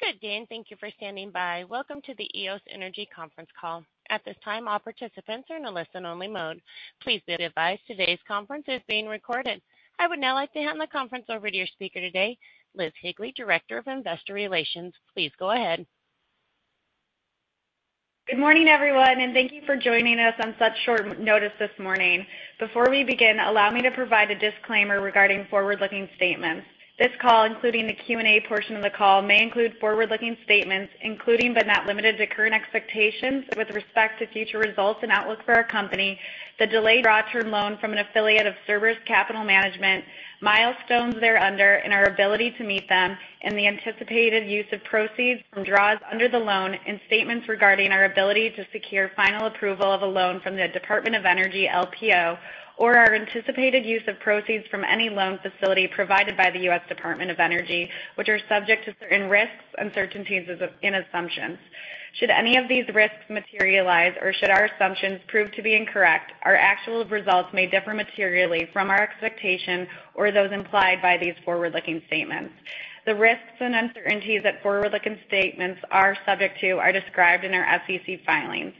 Good day, and thank you for standing by. Welcome to the Eos Energy conference call. At this time, all participants are in a listen-only mode. Please be advised today's conference is being recorded. I would now like to hand the conference over to your speaker today, Liz Higley, Director of Investor Relations. Please go ahead. Good morning, everyone, and thank you for joining us on such short notice this morning. Before we begin, allow me to provide a disclaimer regarding forward-looking statements. This call, including the Q&A portion of the call, may include forward-looking statements, including but not limited to, current expectations with respect to future results and outlook for our company, the delayed draw term loan from an affiliate of Cerberus Capital Management, milestones thereunder, and our ability to meet them, and the anticipated use of proceeds from draws under the loan, and statements regarding our ability to secure final approval of a loan from the Department of Energy LPO, or our anticipated use of proceeds from any loan facility provided by the U.S. Department of Energy, which are subject to certain risks, uncertainties, as of and assumptions. Should any of these risks materialize or should our assumptions prove to be incorrect, our actual results may differ materially from our expectation or those implied by these forward-looking statements. The risks and uncertainties that forward-looking statements are subject to are described in our SEC filings.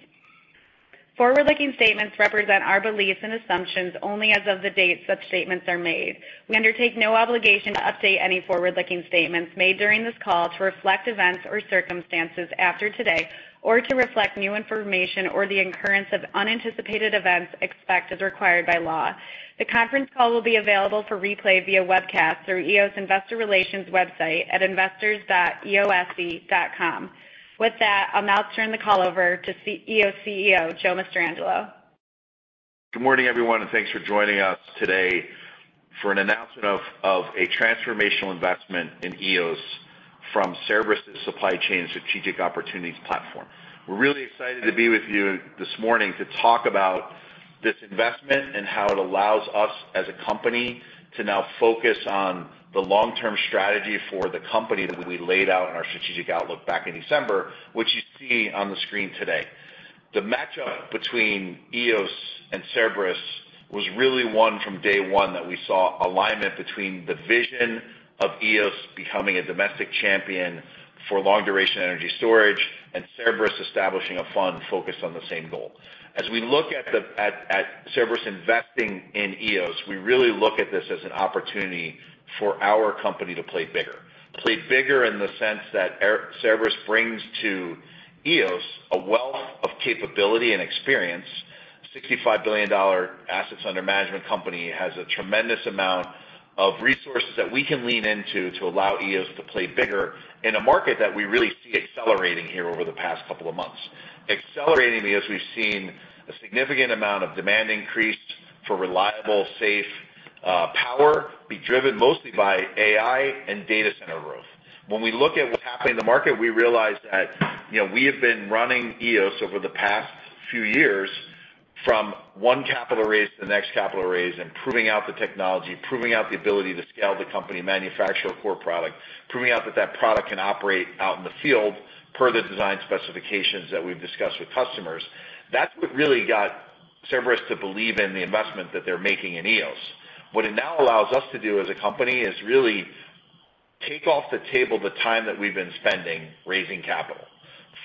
Forward-looking statements represent our beliefs and assumptions only as of the date such statements are made. We undertake no obligation to update any forward-looking statements made during this call to reflect events or circumstances after today, or to reflect new information or the occurrence of unanticipated events expected as required by law. The conference call will be available for replay via webcast through Eos Investor Relations website at investors.eose.com. With that, I'll now turn the call over to our Eos CEO, Joe Mastrangelo. Good morning, everyone, and thanks for joining us today for an announcement of a transformational investment in Eos from Cerberus' Supply Chain Strategic Opportunities Platform. We're really excited to be with you this morning to talk about this investment and how it allows us as a company to now focus on the long-term strategy for the company that we laid out in our strategic outlook back in December, which you see on the screen today. The matchup between Eos and Cerberus was really one from day one, that we saw alignment between the vision of Eos becoming a domestic champion for long-duration energy storage, and Cerberus establishing a fund focused on the same goal. As we look at Cerberus investing in Eos, we really look at this as an opportunity for our company to play bigger. Play bigger in the sense that our Cerberus brings to Eos a wealth of capability and experience. $65 billion assets under management company has a tremendous amount of resources that we can lean into to allow Eos to play bigger in a market that we really see accelerating here over the past couple of months. Accelerating as we've seen a significant amount of demand increase for reliable, safe, power, be driven mostly by AI and data center growth. When we look at what's happening in the market, we realize that, you know, we have been running Eos over the past few years from one capital raise to the next capital raise, and proving out the technology, proving out the ability to scale the company, manufacture a core product, proving out that that product can operate out in the field per the design specifications that we've discussed with customers. That's what really got Cerberus to believe in the investment that they're making in Eos. What it now allows us to do as a company is really take off the table the time that we've been spending raising capital,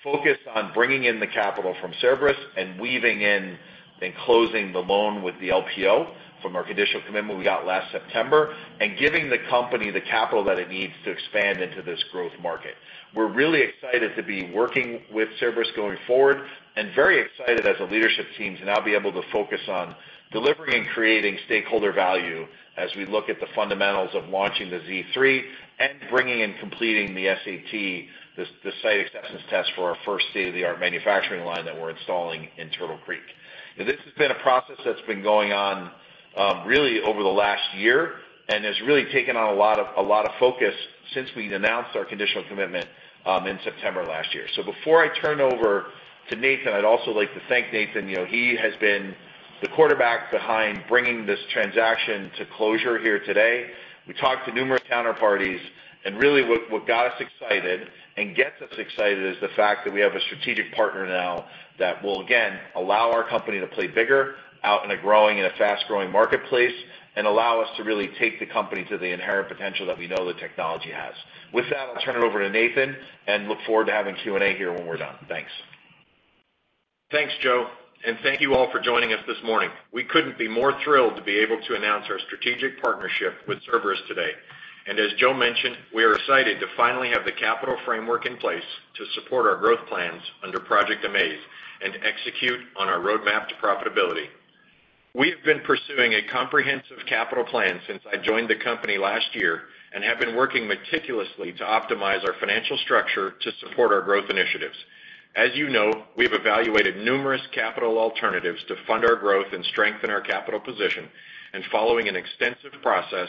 focus on bringing in the capital from Cerberus, and weaving in and closing the loan with the LPO from our conditional commitment we got last September, and giving the company the capital that it needs to expand into this growth market. We're really excited to be working with Cerberus going forward, and very excited as a leadership team to now be able to focus on delivering and creating stakeholder value as we look at the fundamentals of launching the Z3 and bringing and completing the SAT, the Site Acceptance Test, for our first state-of-the-art manufacturing line that we're installing in Turtle Creek. This has been a process that's been going on, really over the last year, and has really taken on a lot of, a lot of focus since we announced our conditional commitment, in September last year. Before I turn over to Nathan, I'd also like to thank Nathan. You know, he has been the quarterback behind bringing this transaction to closure here today. We talked to numerous counterparties, and really what, what got us excited and gets us excited is the fact that we have a strategic partner now that will, again, allow our company to play bigger out in a growing and a fast-growing marketplace, and allow us to really take the company to the inherent potential that we know the technology has. With that, I'll turn it over to Nathan and look forward to having Q&A here when we're done. Thanks. Thanks, Joe, and thank you all for joining us this morning. We couldn't be more thrilled to be able to announce our strategic partnership with Cerberus today. As Joe mentioned, we are excited to finally have the capital framework in place to support our growth plans under Project AMAZE and execute on our roadmap to profitability. We have been pursuing a comprehensive capital plan since I joined the company last year and have been working meticulously to optimize our financial structure to support our growth initiatives. As you know, we've evaluated numerous capital alternatives to fund our growth and strengthen our capital position, and following an extensive process,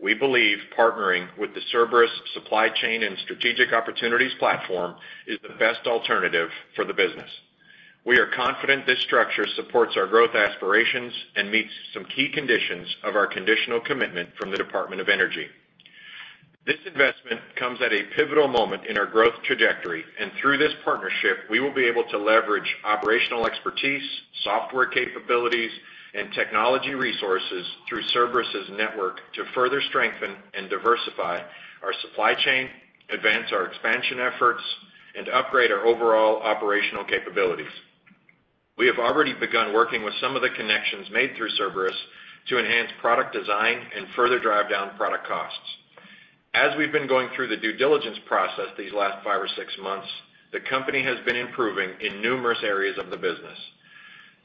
we believe partnering with the Cerberus Supply Chain and Strategic Opportunities Platform is the best alternative for the business. We are confident this structure supports our growth aspirations and meets some key conditions of our conditional commitment from the Department of Energy. This investment comes at a pivotal moment in our growth trajectory, and through this partnership, we will be able to leverage operational expertise, software capabilities, and technology resources through Cerberus's network to further strengthen and diversify our supply chain, advance our expansion efforts, and upgrade our overall operational capabilities.... We have already begun working with some of the connections made through Cerberus to enhance product design and further drive down product costs. As we've been going through the due diligence process these last five or six months, the company has been improving in numerous areas of the business.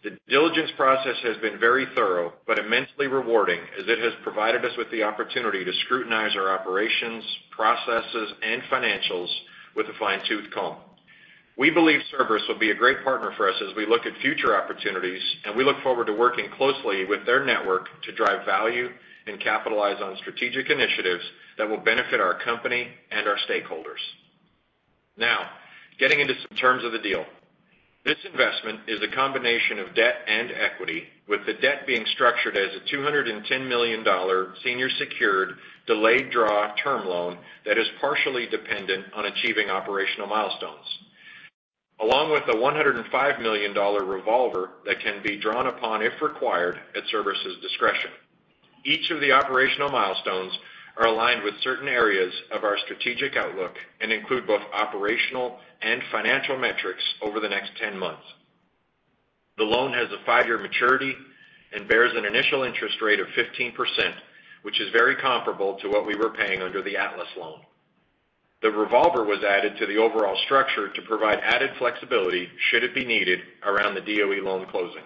The diligence process has been very thorough, but immensely rewarding, as it has provided us with the opportunity to scrutinize our operations, processes, and financials with a fine-tooth comb. We believe Cerberus will be a great partner for us as we look at future opportunities, and we look forward to working closely with their network to drive value and capitalize on strategic initiatives that will benefit our company and our stakeholders. Now, getting into some terms of the deal. This investment is a combination of debt and equity, with the debt being structured as a $210 million senior secured delayed draw term loan that is partially dependent on achieving operational milestones, along with a $105 million revolver that can be drawn upon, if required, at Cerberus's discretion. Each of the operational milestones are aligned with certain areas of our strategic outlook and include both operational and financial metrics over the next 10 months. The loan has a 5-year maturity and bears an initial interest rate of 15%, which is very comparable to what we were paying under the Atlas loan. The revolver was added to the overall structure to provide added flexibility, should it be needed, around the DOE loan closing.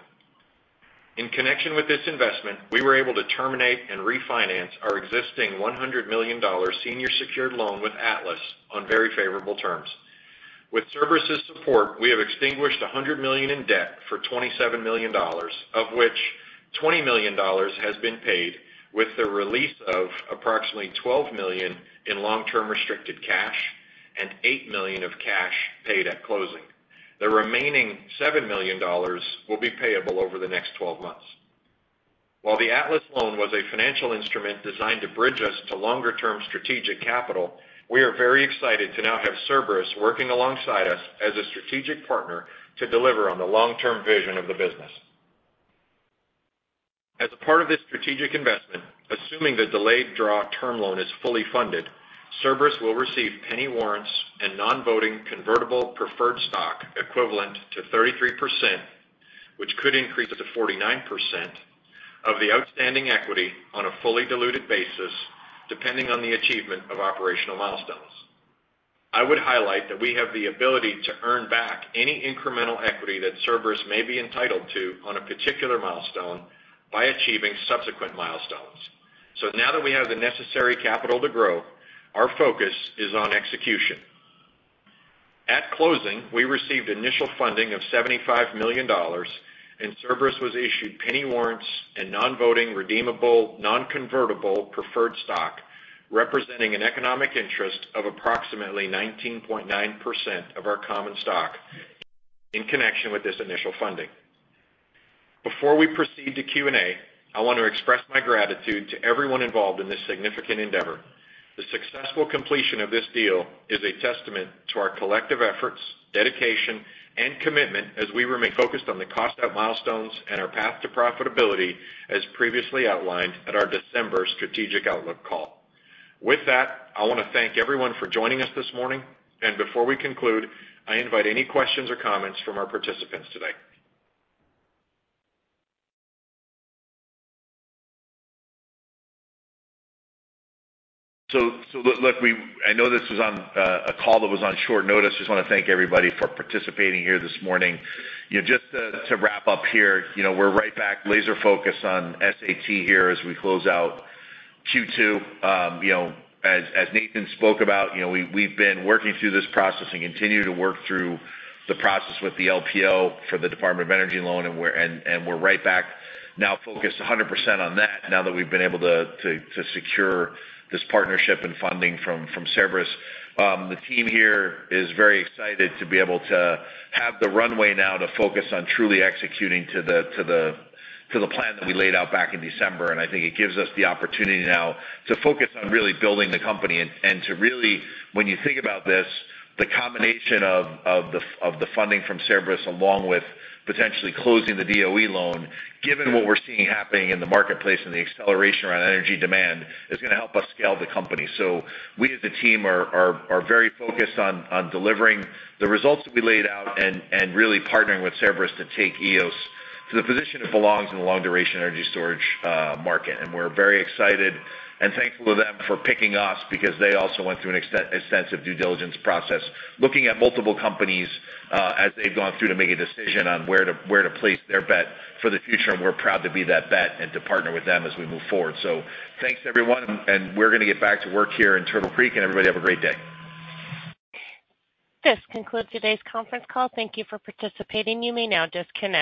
In connection with this investment, we were able to terminate and refinance our existing $100 million senior secured loan with Atlas on very favorable terms. With Cerberus's support, we have extinguished $100 million in debt for $27 million, of which $20 million has been paid, with the release of approximately $12 million in long-term restricted cash and $8 million of cash paid at closing. The remaining $7 million will be payable over the next 12 months. While the Atlas loan was a financial instrument designed to bridge us to longer-term strategic capital, we are very excited to now have Cerberus working alongside us as a strategic partner to deliver on the long-term vision of the business. As a part of this strategic investment, assuming the delayed draw term loan is fully funded, Cerberus will receive penny warrants and non-voting convertible preferred stock equivalent to 33%, which could increase up to 49% of the outstanding equity on a fully diluted basis, depending on the achievement of operational milestones. I would highlight that we have the ability to earn back any incremental equity that Cerberus may be entitled to on a particular milestone by achieving subsequent milestones. So now that we have the necessary capital to grow, our focus is on execution. At closing, we received initial funding of $75 million, and Cerberus was issued penny warrants and non-voting, redeemable, non-convertible preferred stock, representing an economic interest of approximately 19.9% of our common stock in connection with this initial funding. Before we proceed to Q&A, I want to express my gratitude to everyone involved in this significant endeavor. The successful completion of this deal is a testament to our collective efforts, dedication, and commitment as we remain focused on the cost out milestones and our path to profitability, as previously outlined at our December strategic outlook call. With that, I want to thank everyone for joining us this morning, and before we conclude, I invite any questions or comments from our participants today. So, look, we—I know this was on a call that was on short notice. Just want to thank everybody for participating here this morning. You know, just to wrap up here, you know, we're right back, laser focused on SAT here as we close out Q2. You know, as Nathan spoke about, you know, we've been working through this process and continue to work through the process with the LPO for the Department of Energy loan, and we're right back now focused 100% on that now that we've been able to secure this partnership and funding from Cerberus. The team here is very excited to be able to have the runway now to focus on truly executing to the plan that we laid out back in December. I think it gives us the opportunity now to focus on really building the company and to really, when you think about this, the combination of the funding from Cerberus, along with potentially closing the DOE loan, given what we're seeing happening in the marketplace and the acceleration around energy demand, is gonna help us scale the company. So we as a team are very focused on delivering the results that we laid out and really partnering with Cerberus to take Eos to the position it belongs in the long-duration energy storage market. And we're very excited and thankful to them for picking us, because they also went through an extensive due diligence process, looking at multiple companies, as they've gone through to make a decision on where to place their bet for the future. We're proud to be that bet and to partner with them as we move forward. So thanks, everyone, and we're gonna get back to work here in Turtle Creek, and everybody, have a great day. This concludes today's conference call. Thank you for participating. You may now disconnect.